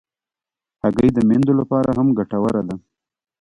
هګۍ د میندو لپاره هم ګټوره ده.